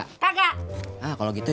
kenapa bubisole makasih